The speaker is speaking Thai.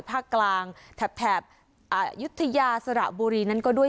ภาคกลางแถบอายุทยาสระบุรีนั้นก็ด้วย